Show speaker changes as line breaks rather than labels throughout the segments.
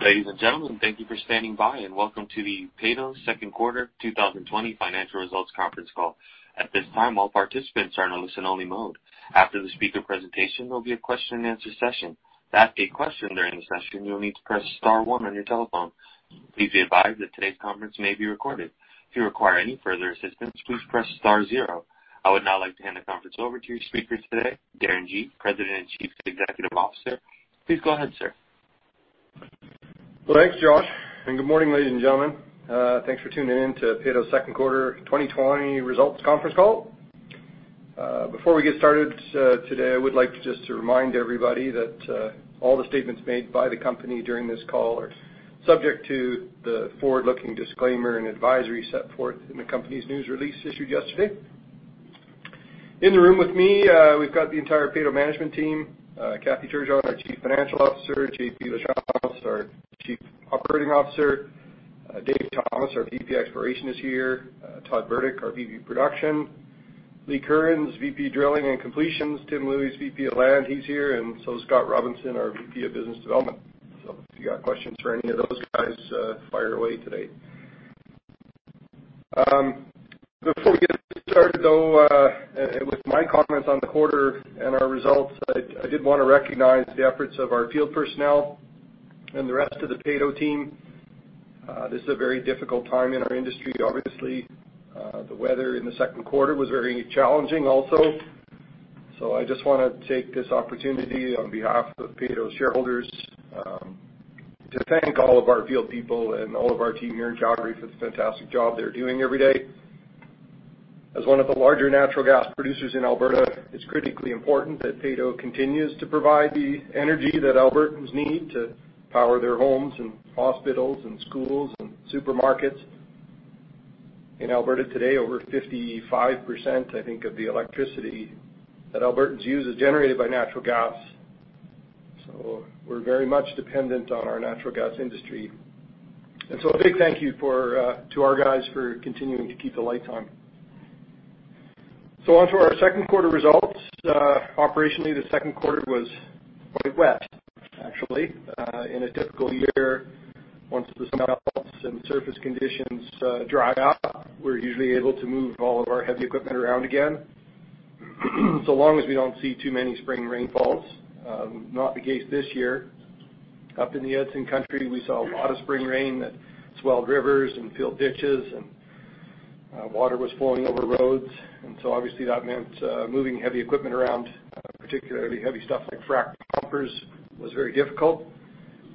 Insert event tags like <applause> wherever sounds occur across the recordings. Ladies and gentlemen, thank you for standing by, and welcome to the Peyto second quarter 2020 financial results conference call. At this time, all participants are in listen only mode. After the speaker presentation, there will be a question and answer session. I would now like to hand the conference over to your speaker today, Darren Gee, President and Chief Executive Officer. Please go ahead, sir.
Thanks, Josh, and good morning, ladies and gentlemen. Thanks for tuning in to Peyto's second quarter 2020 results conference call. Before we get started today, I would like just to remind everybody that all the statements made by the company during this call are subject to the forward-looking disclaimer and advisory set forth in the company's news release issued yesterday. In the room with me, we've got the entire Peyto management team. Kathy Turgeon, our Chief Financial Officer, JP Lachance, our Chief Operating Officer, Dave Thomas, our VP Exploration is here, Todd Burdick, our VP of Production, Lee Curran, VP Drilling and Completions, Tim Louie, VP of Land, he's here, and so is Scott Robinson, our VP of Business Development. If you got questions for any of those guys, fire away today. Before we get started, though, with my comments on the quarter and our results, I did want to recognize the efforts of our field personnel and the rest of the Peyto team. This is a very difficult time in our industry, obviously. The weather in the second quarter was very challenging also. I just want to take this opportunity on behalf of Peyto's shareholders to thank all of our field people and all of our team here in Calgary for the fantastic job they're doing every day. As one of the larger natural gas producers in Alberta, it's critically important that Peyto continues to provide the energy that Albertans need to power their homes and hospitals and schools and supermarkets. In Alberta today, over 55%, I think, of the electricity that Albertans use is generated by natural gas. We're very much dependent on our natural gas industry. A big thank you to our guys for continuing to keep the lights on. Onto our second quarter results. Operationally, the second quarter was quite wet, actually. In a typical year, once the snow melts and surface conditions dry out, we're usually able to move all of our heavy equipment around again, so long as we don't see too many spring rainfalls. Not the case this year. Up in the Edson country, we saw a lot of spring rain that swelled rivers and field ditches and water was flowing over roads. Obviously that meant moving heavy equipment around, particularly heavy stuff like frac pumpers, was very difficult.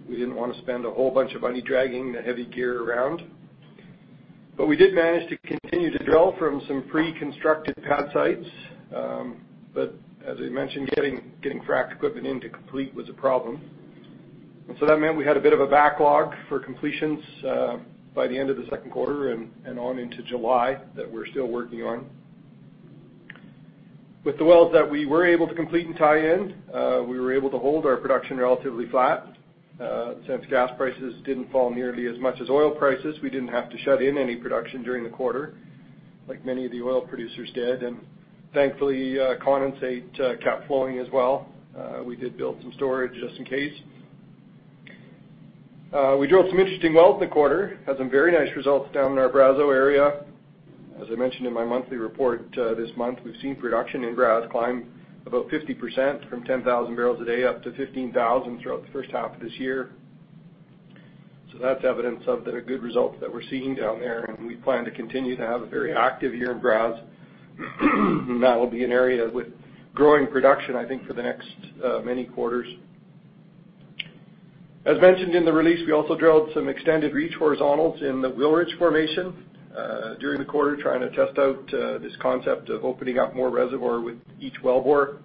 We didn't want to spend a whole bunch of money dragging the heavy gear around. We did manage to continue to drill from some pre-constructed pad sites. As I mentioned, getting frac equipment in to complete was a problem. That meant we had a bit of a backlog for completions by the end of the second quarter and on into July that we are still working on. With the wells that we were able to complete and tie in, we were able to hold our production relatively flat. Since gas prices did not fall nearly as much as oil prices, we did not have to shut in any production during the quarter like many of the oil producers did. Thankfully, condensate kept flowing as well. We did build some storage just in case. We drilled some interesting wells in the quarter, had some very nice results down in our Brazeau area. As I mentioned in my monthly report this month, we've seen production in Brazeau climb about 50% from 10,000 barrels a day up to 15,000 throughout the first half of this year. That's evidence of the good results that we're seeing down there, and we plan to continue to have a very active year in Brazeau. That will be an area with growing production, I think, for the next many quarters. As mentioned in the release, we also drilled some extended reach horizontals in the Wilrich Formation during the quarter, trying to test out this concept of opening up more reservoir with each well bore.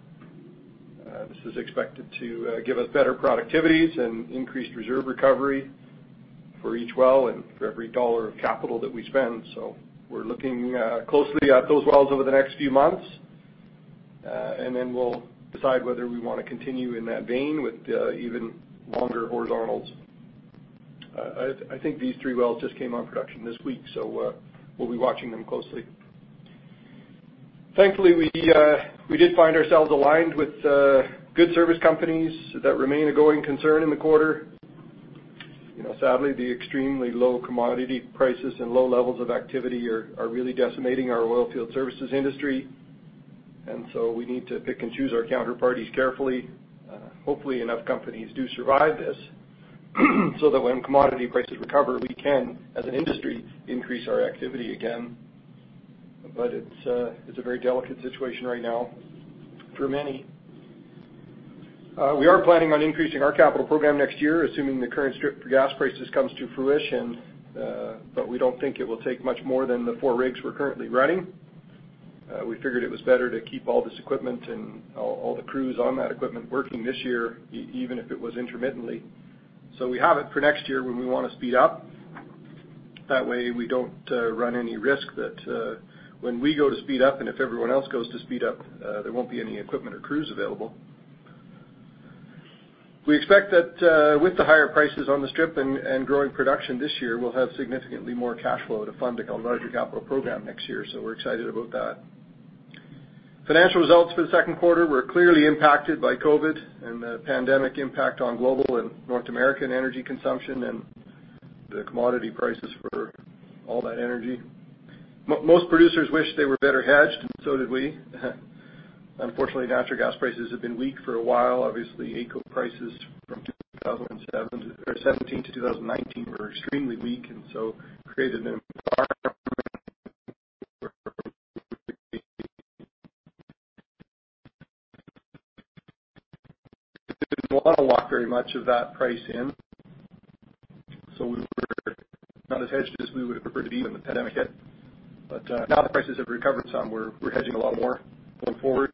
This is expected to give us better productivities and increased reserve recovery for each well and for every CAD of capital that we spend. We're looking closely at those wells over the next few months, and then we'll decide whether we want to continue in that vein with even longer horizontals. I think these three wells just came on production this week, so we'll be watching them closely. Thankfully, we did find ourselves aligned with good service companies that remained a growing concern in the quarter. Sadly, the extremely low commodity prices and low levels of activity are really decimating our oil field services industry. We need to pick and choose our counterparties carefully. Hopefully enough companies do survive this so that when commodity prices recover, we can, as an industry, increase our activity again. It's a very delicate situation right now for many. We are planning on increasing our capital program next year, assuming the current strip for gas prices comes to fruition. We don't think it will take much more than the four rigs we're currently running. We figured it was better to keep all this equipment and all the crews on that equipment working this year, even if it was intermittently. We have it for next year when we want to speed up. That way we don't run any risk that when we go to speed up and if everyone else goes to speed up, there won't be any equipment or crews available. We expect that with the higher prices on the strip and growing production this year, we'll have significantly more cash flow to fund a larger capital program next year. We're excited about that. Financial results for the second quarter were clearly impacted by COVID and the pandemic impact on global and North American energy consumption, and the commodity prices for all that energy. Most producers wish they were better hedged, and so did we. Unfortunately, natural gas prices have been weak for a while. Obviously, AECO prices from 2017 to 2019 were extremely weak, and so created an <audio distortion> want to lock very much of that price in. We. <audio distortion> Now that prices have recovered some, we're hedging a lot more going forward.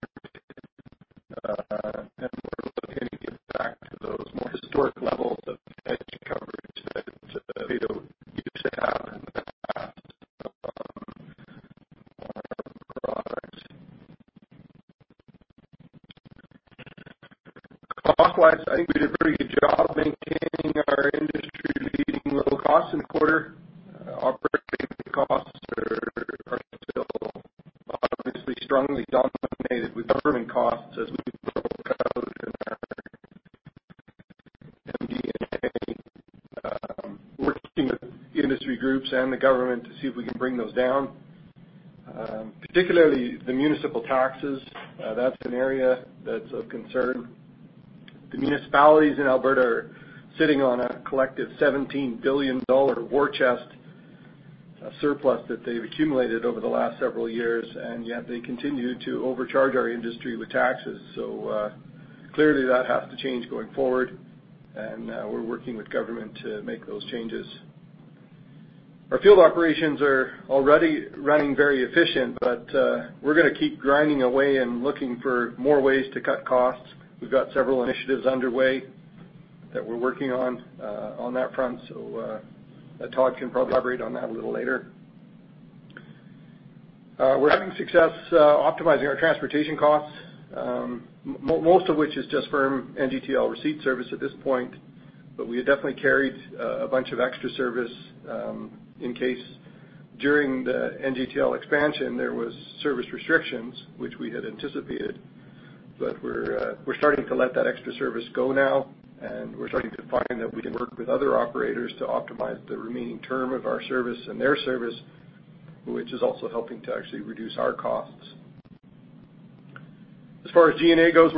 <audio distortion> Cost-wise, I think we did a very good job maintaining our industry-leading low costs in the quarter. Operating costs are still obviously strongly dominated with government costs as we go through COVID and our G&A. We're working with industry groups and the government to see if we can bring those down. Particularly the municipal taxes, that's an area that's of concern. The municipalities in Alberta are sitting on a collective 17 billion dollar war chest, a surplus that they've accumulated over the last several years, yet they continue to overcharge our industry with taxes. Clearly that has to change going forward. We're working with government to make those changes. Our field operations are already running very efficient. We're going to keep grinding away and looking for more ways to cut costs. We've got several initiatives underway that we're working on that front. Todd can probably elaborate on that a little later. We're having success optimizing our transportation costs, most of which is just firm NGTL receipt service at this point, but we definitely carried a bunch of extra service, in case during the NGTL expansion, there was service restrictions, which we had anticipated. We're starting to let that extra service go now, and we're starting to find that we can work with other operators to optimize the remaining term of our service and their service, which is also helping to actually reduce our costs. As far as G&A goes,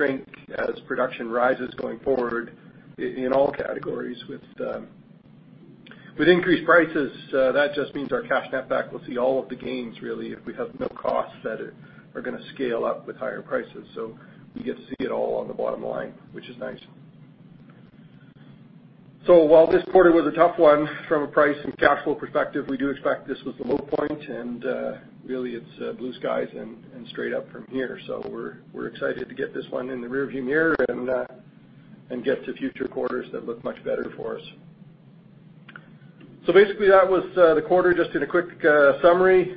we're <audio distortion> in Calgary. We need all those people as we increase <audio distortion> next year. As we do increase those capital <audio distortion> per-unit cost shrink as production rises going forward in all categories. With increased prices, that just means our cash netback will see all of the gains, really, if we have no costs that are going to scale up with higher prices. We get to see it all on the bottom line, which is nice. While this quarter was a tough one from a price and cash flow perspective, we do expect this was the low point and really it's blue skies and straight up from here. We're excited to get this one in the rearview mirror and get to future quarters that look much better for us. Basically that was the quarter just in a quick summary.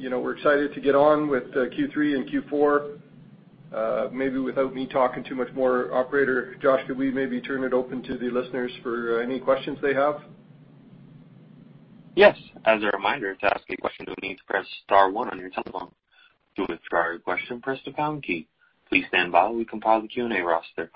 We're excited to get on with Q3 and Q4. Maybe without me talking too much more, operator Josh, could we maybe turn it open to the listeners for any questions they have?
Yes. As a reminder, to ask a question, you'll need to press star one on your telephone. To withdraw your question, press the pound key. Please stand by while we compile the Q&A roster.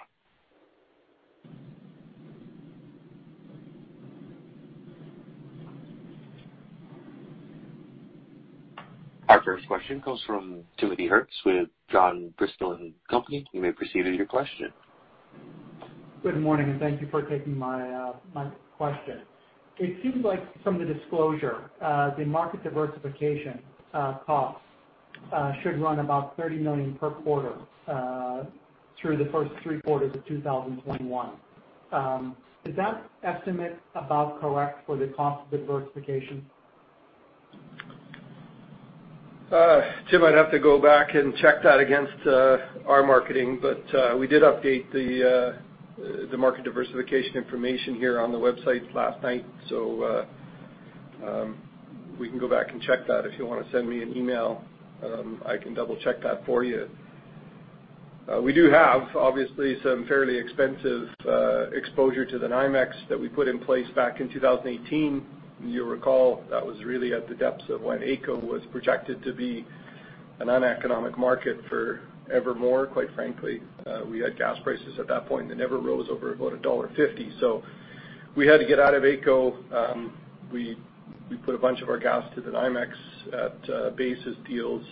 Our first question comes from Timothy Hurckes with John W. Bristol & Co. You may proceed with your question.
Good morning, thank you for taking my question. It seems like from the disclosure, the market diversification costs should run about 30 million per quarter, through the first three quarters of 2021. Is that estimate about correct for the cost of diversification?
Tim, I'd have to go back and check that against our marketing. We did update the market diversification information here on the website last night. We can go back and check that. If you want to send me an email, I can double-check that for you. We do have, obviously, some fairly expensive exposure to the NYMEX that we put in place back in 2018. You'll recall that was really at the depths of when AECO was projected to be a non-economic market forevermore, quite frankly. We had gas prices at that point that never rose over about dollar 1.50, so we had to get out of AECO. We put a bunch of our gas to the NYMEX at basis deals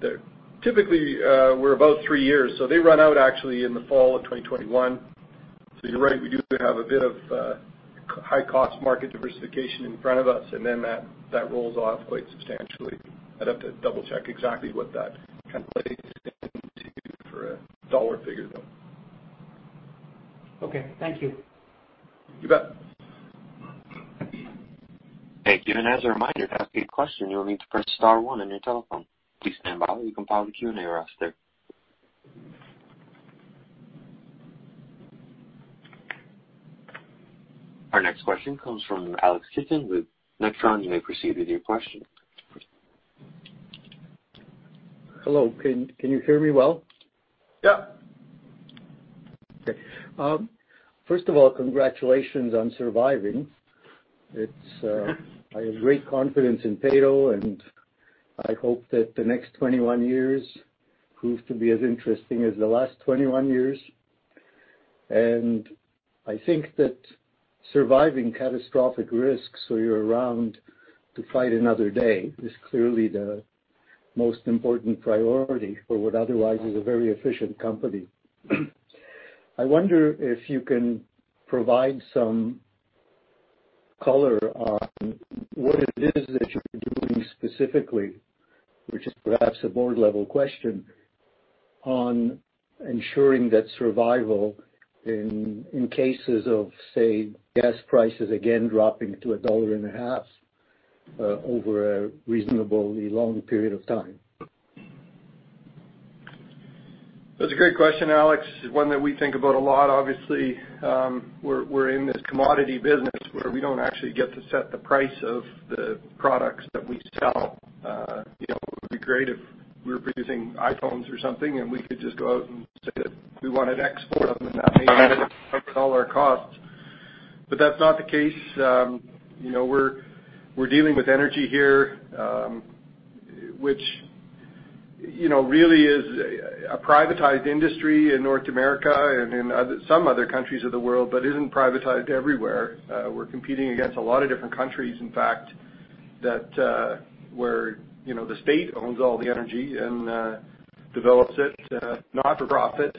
that typically were about three years. They run out actually in the fall of 2021. You're right, we do have a bit of high-cost market diversification in front of us, and then that rolls off quite substantially. I'd have to double-check exactly what that. <audio distortion>
Okay. Thank you.
You bet.
Thank you As a reminde to ask a question you need press star one on your telephone. Our next question comes from Alex Hitchen with Necrons. You may proceed with your question.
Hello. Can you hear me well?
Yeah.
First of all, congratulations on surviving. I have great confidence in Peyto, and I hope that the next 21 years prove to be as interesting as the last 21 years. I think that surviving catastrophic risks so you're around to fight another day is clearly the most important priority for what otherwise is a very efficient company. I wonder if you can provide some color on what it is that you're doing specifically, which is perhaps a board-level question, on ensuring that survival in cases of, say, gas prices again dropping to $1.5, over a reasonably long period of time.
That's a great question, Alex. One that we think about a lot. We're in this commodity business where we don't actually get to set the price of the products that we sell. It would be great if we were producing iPhones or something, we could just go out and say that we wanted X for them and that may cover all our costs. That's not the case. We're dealing with energy here, which really is a privatized industry in North America in some other countries of the world, isn't privatized everywhere. We're competing against a lot of different countries, in fact, where the state owns all the energy and develops it, not for profit.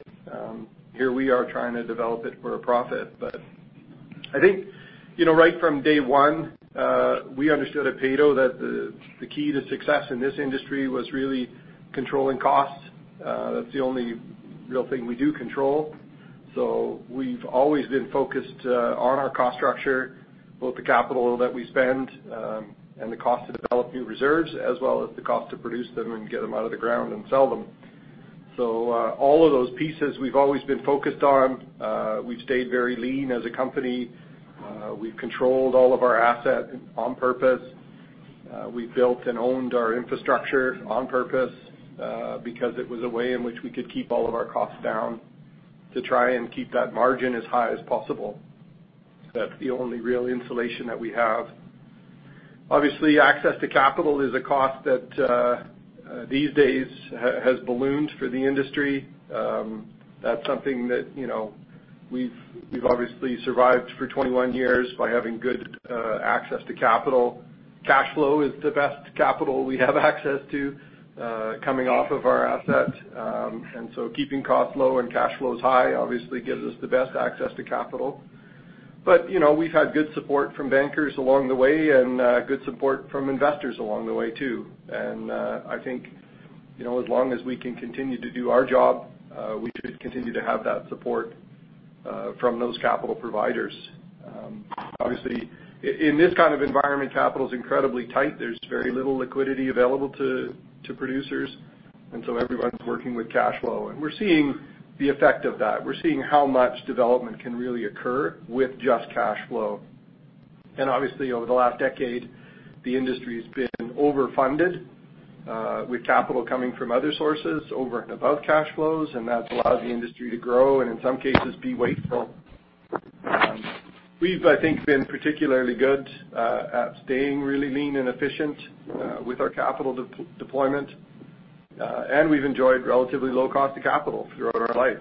Here we are trying to develop it for a profit. I think, right from day one, we understood at Peyto that the key to success in this industry was really controlling costs. That's the only real thing we do control. We've always been focused on our cost structure, both the capital that we spend, and the cost to develop new reserves, as well as the cost to produce them and get them out of the ground and sell them. All of those pieces we've always been focused on. We've stayed very lean as a company. We've controlled all of our asset on purpose. We've built and owned our infrastructure on purpose, because it was a way in which we could keep all of our costs down to try and keep that margin as high as possible. That's the only real insulation that we have. Obviously, access to capital is a cost that these days has ballooned for the industry. That's something that we've obviously survived for 21 years by having good access to capital. Cash flow is the best capital we have access to, coming off of our asset. Keeping costs low and cash flows high obviously gives us the best access to capital. We've had good support from bankers along the way and good support from investors along the way, too. I think, as long as we can continue to do our job, we should continue to have that support from those capital providers. Obviously, in this kind of environment, capital's incredibly tight. There's very little liquidity available to producers, and so everyone's working with cash flow. We're seeing the effect of that. We're seeing how much development can really occur with just cash flow. Obviously, over the last decade, the industry has been overfunded, with capital coming from other sources over and above cash flows, and that's allowed the industry to grow and in some cases be wasteful. We've, I think, been particularly good at staying really lean and efficient with our capital deployment. We've enjoyed relatively low cost of capital throughout our life.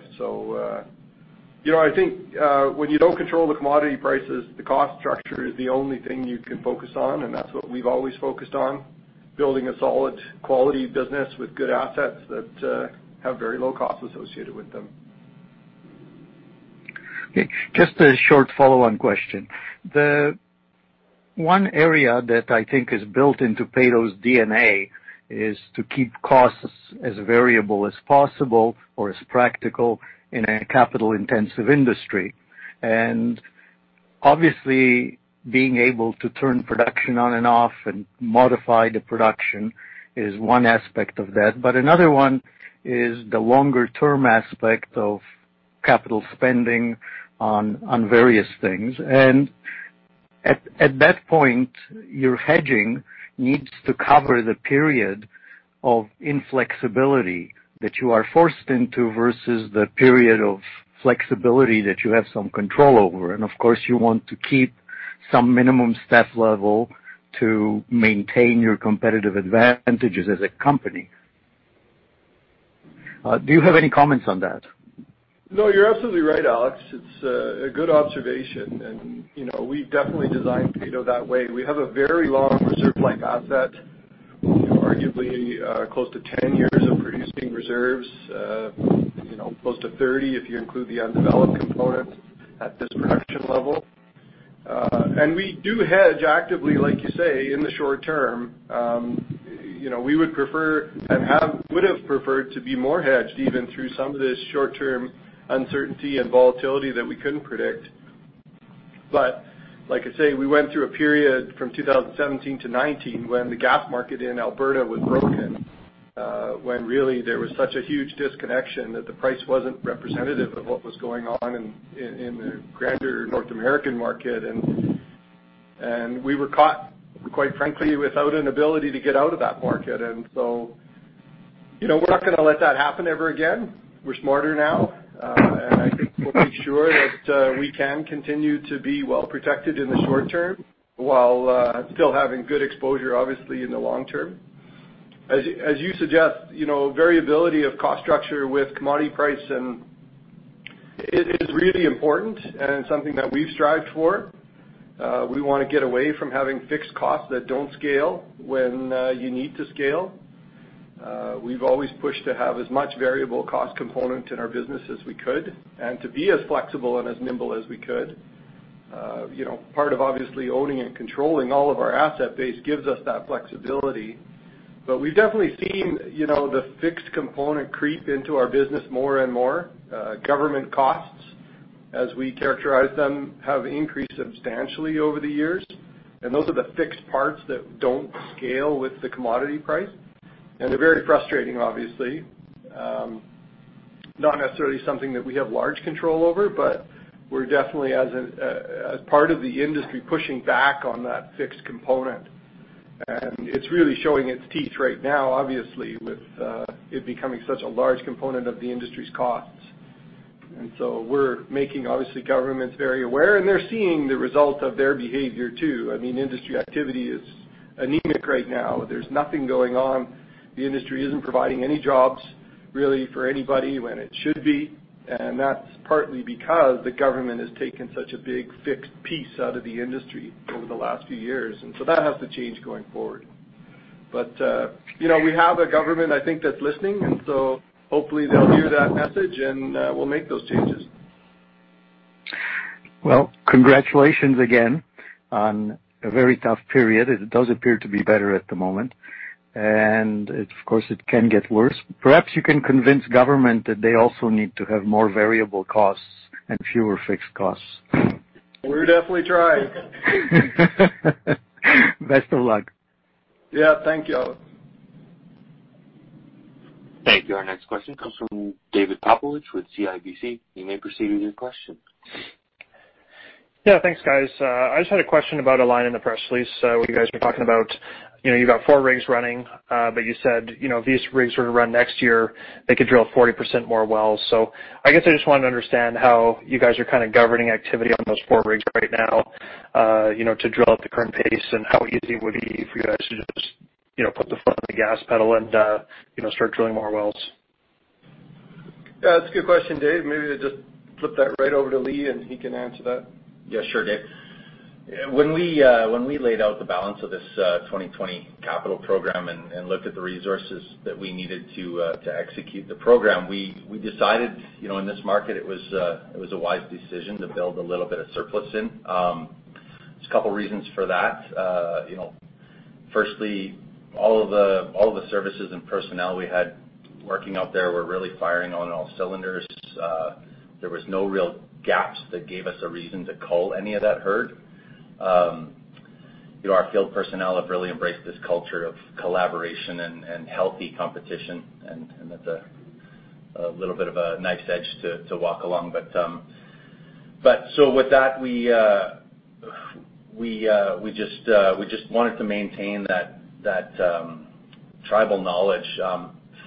I think, when you don't control the commodity prices, the cost structure is the only thing you can focus on, and that's what we've always focused on, building a solid quality business with good assets that have very low cost associated with them.
Okay. Just a short follow-on question. The one area that I think is built into Peyto's DNA is to keep costs as variable as possible or as practical in a capital-intensive industry. Obviously, being able to turn production on and off and modify the production is one aspect of that, but another one is the longer-term aspect of capital spending on various things. At that point, your hedging needs to cover the period of inflexibility that you are forced into versus the period of flexibility that you have some control over. Of course, you want to keep some minimum staff level to maintain your competitive advantages as a company. Do you have any comments on that?
No, you're absolutely right, Alex. It's a good observation and we've definitely designed Peyto that way. We have a very long reserve-like asset, arguably close to 10 years of producing reserves, close to 30 if you include the undeveloped component at this production level. We do hedge actively, like you say, in the short term. We would prefer and would have preferred to be more hedged even through some of this short-term uncertainty and volatility that we couldn't predict. Like I say, we went through a period from 2017 to 2019 when the gas market in Alberta was broken, when really there was such a huge disconnection that the price wasn't representative of what was going on in the grander North American market. We were caught, quite frankly, without an ability to get out of that market. We're not going to let that happen ever again. We're smarter now. I think we'll make sure that we can continue to be well-protected in the short term, while still having good exposure, obviously, in the long term. As you suggest, variability of cost structure with commodity price is really important and something that we've strived for. We want to get away from having fixed costs that don't scale when you need to scale. We've always pushed to have as much variable cost component in our business as we could, and to be as flexible and as nimble as we could. Part of obviously owning and controlling all of our asset base gives us that flexibility. We've definitely seen the fixed component creep into our business more and more. Government costs, as we characterize them, have increased substantially over the years, and those are the fixed parts that don't scale with the commodity price, and they're very frustrating, obviously. Not necessarily something that we have large control over, but we're definitely, as part of the industry, pushing back on that fixed component. It's really showing its teeth right now, obviously, with it becoming such a large component of the industry's costs. We're making, obviously, governments very aware, and they're seeing the result of their behavior, too. Industry activity is anemic right now. There's nothing going on. The industry isn't providing any jobs really for anybody when it should be, and that's partly because the government has taken such a big fixed piece out of the industry over the last few years, and so that has to change going forward. We have a government, I think, that's listening, and so hopefully they'll hear that message and we'll make those changes.
Congratulations again on a very tough period. It does appear to be better at the moment, and of course it can get worse. Perhaps you can convince government that they also need to have more variable costs and fewer fixed costs.
We're definitely trying.
Best of luck.
Yeah. Thank you.
Thank you. Our next question comes from David Popowich with CIBC. You may proceed with your question.
Yeah. Thanks, guys. I just had a question about a line in the press release where you guys were talking about you've got four rigs running, you said if these rigs were to run next year, they could drill 40% more wells. I guess I just wanted to understand how you guys are kind of governing activity on those four rigs right now to drill at the current pace, and how easy would it be for you guys to just put the foot on the gas pedal and start drilling more wells?
Yeah, that's a good question, Dave. Maybe I'll just flip that right over to Lee, and he can answer that.
Yeah, sure, Dave. When we laid out the balance of this 2020 capital program and looked at the resources that we needed to execute the program, we decided in this market it was a wise decision to build a little bit of surplus in. There's a couple of reasons for that. Firstly, all of the services and personnel we had working out there were really firing on all cylinders. There was no real gaps that gave us a reason to cull any of that herd. Our field personnel have really embraced this culture of collaboration and healthy competition, and that's a little bit of a knife's edge to walk along. With that, we just wanted to maintain that tribal knowledge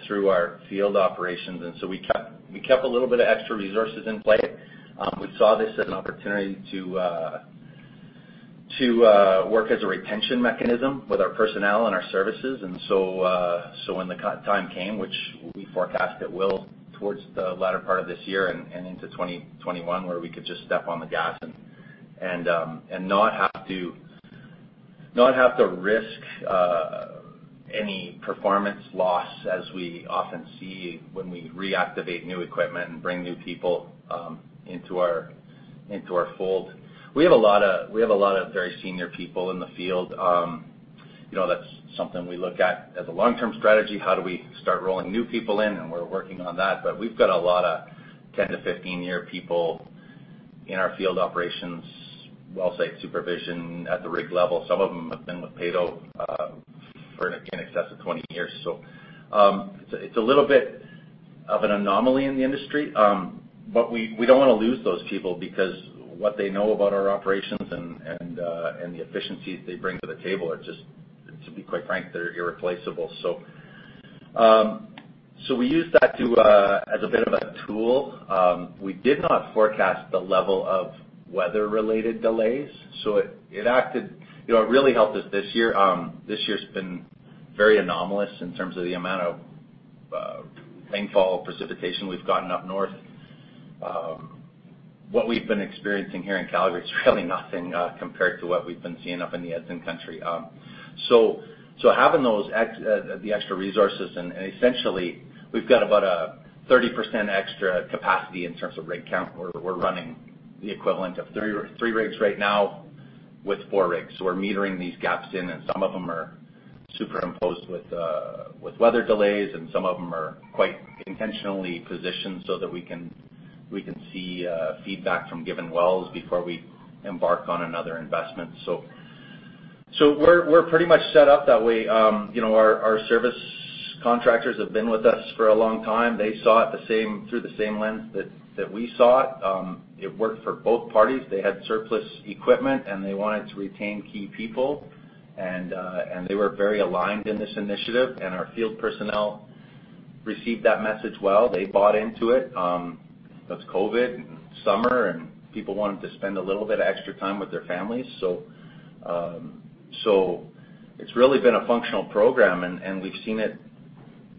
through our field operations, and so we kept a little bit of extra resources in play. We saw this as an opportunity to work as a retention mechanism with our personnel and our services. When the time came, which we forecast it will towards the latter part of this year and into 2021, where we could just step on the gas and not have to risk any performance loss as we often see when we reactivate new equipment and bring new people into our fold. We have a lot of very senior people in the field. That's something we look at as a long-term strategy. How do we start rolling new people in? We're working on that, but we've got a lot of 10- to 15-year people in our field operations, well site supervision at the rig level. Some of them have been with Peyto for in excess of 20 years. It's a little bit of an anomaly in the industry. We don't want to lose those people because what they know about our operations and the efficiencies they bring to the table are just, to be quite frank, they're irreplaceable. We used that as a bit of a tool. We did not forecast the level of weather-related delays, so it really helped us this year. This year's been very anomalous in terms of the amount of rainfall, precipitation we've gotten up north. What we've been experiencing here in Calgary is really nothing compared to what we've been seeing up in the Edson country. Having the extra resources and essentially we've got about a 30% extra capacity in terms of rig count. We're running the equivalent of three rigs right now with four rigs. We're metering these gaps in, and some of them are superimposed with weather delays, and some of them are quite intentionally positioned so that we can see feedback from given wells before we embark on another investment. We're pretty much set up that way. Our service contractors have been with us for a long time. They saw it through the same lens that we saw it. It worked for both parties. They had surplus equipment, and they wanted to retain key people. They were very aligned in this initiative, and our field personnel received that message well. They bought into it. It was COVID, summer, and people wanted to spend a little bit of extra time with their families. It's really been a functional program, and we've seen it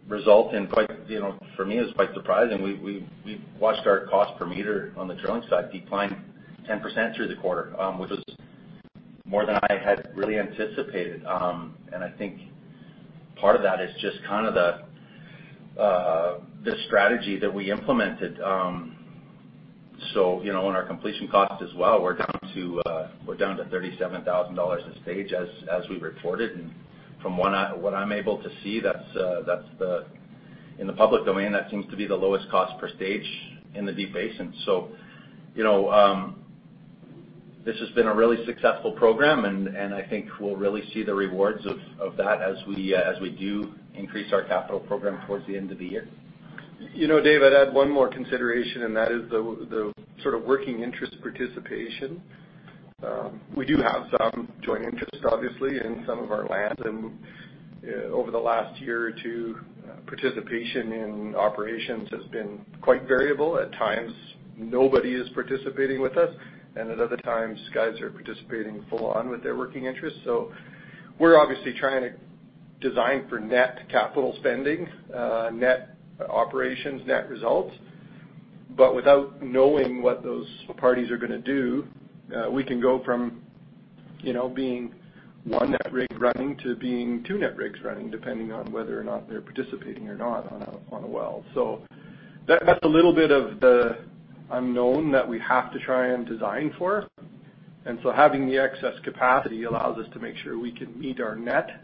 result in, for me, it was quite surprising. We've watched our cost per meter on the drilling side decline 10% through the quarter, which was more than I had really anticipated. I think part of that is just the strategy that we implemented. In our completion cost as well, we're down to 37,000 dollars a stage as we reported. From what I'm able to see, in the public domain, that seems to be the lowest cost per stage in the Deep Basin. This has been a really successful program, and I think we'll really see the rewards of that as we do increase our capital program towards the end of the year.
Dave, I'd add one more consideration, and that is the working interest participation. We do have some joint interest, obviously, in some of our land, and over the last year or two, participation in operations has been quite variable. At times, nobody is participating with us, and at other times, guys are participating full on with their working interests. We're obviously trying to design for net capital spending, net operations, net results. Without knowing what those parties are going to do, we can go from being one net rig running to being two net rigs running, depending on whether or not they're participating or not on a well. That's a little bit of the unknown that we have to try and design for. Having the excess capacity allows us to make sure we can meet our net,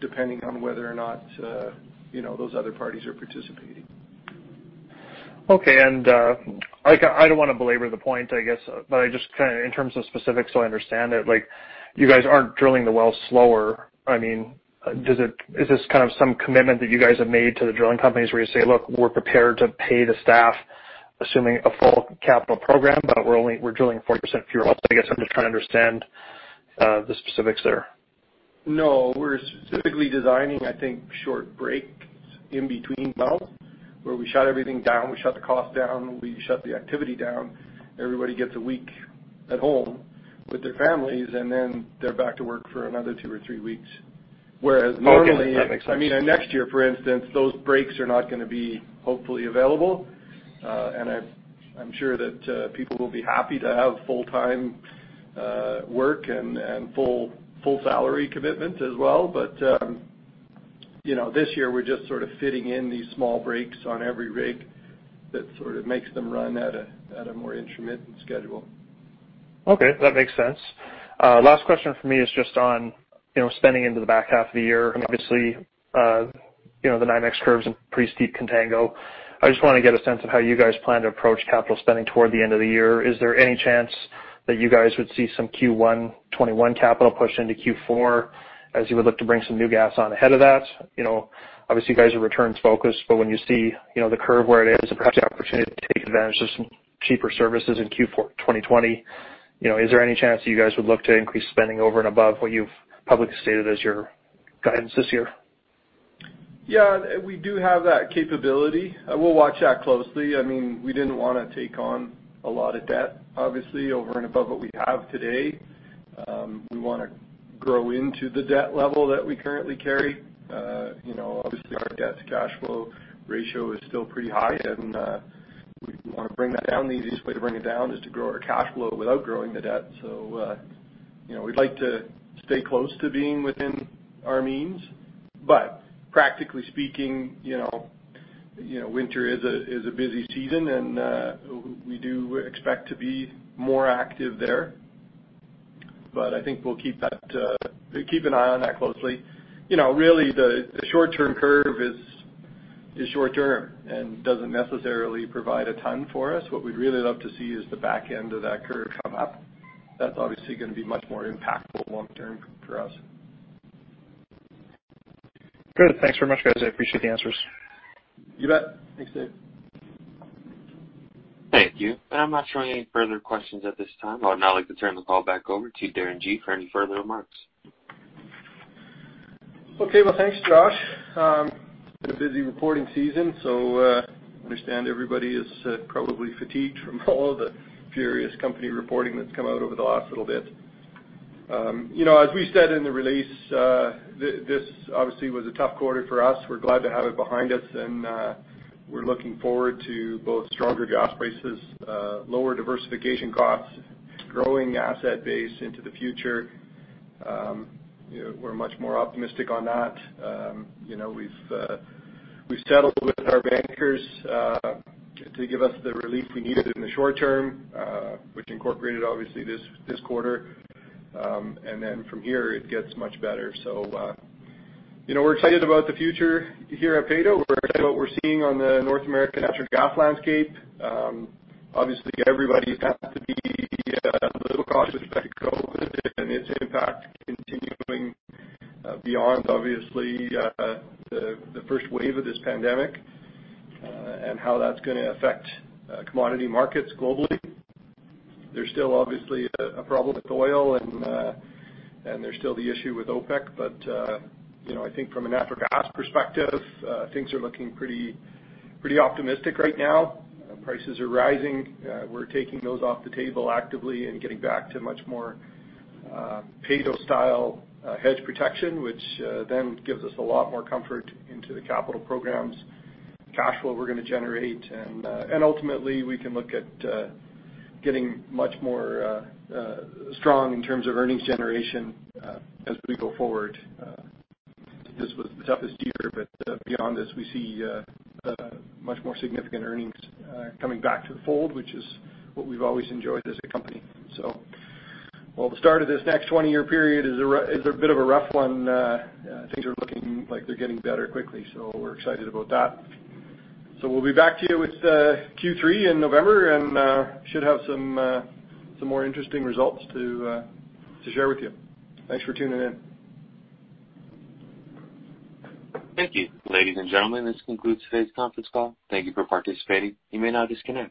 depending on whether or not those other parties are participating.
Okay. I don't want to belabor the point, I guess, but just in terms of specifics, so I understand it, you guys aren't drilling the wells slower. Is this some commitment that you guys have made to the drilling companies where you say, "Look, we're prepared to pay the staff, assuming a full capital program, but we're drilling 40% fewer wells"? I guess I'm just trying to understand the specifics there.
We're specifically designing, I think, short breaks in between wells where we shut everything down, we shut the cost down, we shut the activity down. Everybody gets a week at home with their families, then they're back to work for another two or three weeks.
Okay, that makes sense
next year, for instance, those breaks are not going to be hopefully available. I'm sure that people will be happy to have full-time work and full salary commitment as well. This year, we're just fitting in these small breaks on every rig that makes them run at a more intermittent schedule.
Okay. That makes sense. Last question from me is just on spending into the back half of the year. The NYMEX curve's in pretty steep contango. I just want to get a sense of how you guys plan to approach capital spending toward the end of the year. Is there any chance that you guys would see some Q1 2021 capital push into Q4 as you would look to bring some new gas on ahead of that? You guys are return focused, but when you see the curve where it is, perhaps the opportunity to take advantage of some cheaper services in Q4 2020. Is there any chance that you guys would look to increase spending over and above what you've publicly stated as your guidance this year?
Yeah, we do have that capability. We'll watch that closely. We didn't want to take on a lot of debt, obviously, over and above what we have today. We want to grow into the debt level that we currently carry. Obviously, our debt to cash flow ratio is still pretty high, and we want to bring that down. The easiest way to bring it down is to grow our cash flow without growing the debt. We'd like to stay close to being within our means. Practically speaking, winter is a busy season, and we do expect to be more active there. I think we'll keep an eye on that closely. Really, the short-term curve is short term and doesn't necessarily provide a ton for us. What we'd really love to see is the back end of that curve come up. That's obviously going to be much more impactful long term for us.
Good. Thanks very much, guys. I appreciate the answers.
You bet. Thanks, Dave.
Thank you. I'm not showing any further questions at this time. I would now like to turn the call back over to Darren Gee for any further remarks.
Okay. Well, thanks, Josh. Been a busy reporting season, so understand everybody is probably fatigued from all the furious company reporting that has come out over the last little bit. As we said in the release, this obviously was a tough quarter for us. We are glad to have it behind us, and we are looking forward to both stronger gas prices, lower diversification costs, growing asset base into the future. We are much more optimistic on that. We have settled with our bankers to give us the relief we needed in the short term, which incorporated, obviously, this quarter. Then from here, it gets much better. We are excited about the future here at Peyto. We are excited about what we are seeing on the North American natural gas landscape. Obviously, everybody's got to be a little cautious about COVID and its impact continuing beyond, obviously, the first wave of this pandemic, and how that's going to affect commodity markets globally. There's still obviously a problem with oil, and there's still the issue with OPEC. I think from a natural gas perspective, things are looking pretty optimistic right now. Prices are rising. We're taking those off the table actively and getting back to much more Peyto-style hedge protection, which then gives us a lot more comfort into the capital programs, cash flow we're going to generate, and ultimately, we can look at getting much more strong in terms of earnings generation as we go forward. This was the toughest year. Beyond this, we see much more significant earnings coming back to the fold, which is what we've always enjoyed as a company. While the start of this Necrons 20-year period is a bit of a rough one, things are looking like they're getting better quickly. We're excited about that. We'll be back to you with Q3 in November, and should have some more interesting results to share with you. Thanks for tuning in.
Thank you. Ladies and gentlemen, this concludes today's conference call. Thank you for participating. You may now disconnect.